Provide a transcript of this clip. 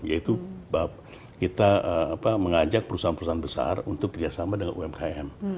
yaitu kita mengajak perusahaan perusahaan besar untuk kerjasama dengan umkm